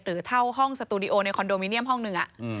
เท่าห้องสตูดิโอในคอนโดมิเนียมห้องหนึ่ง